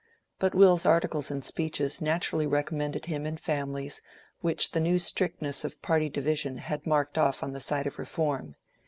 But Will's articles and speeches naturally recommended him in families which the new strictness of party division had marked off on the side of Reform.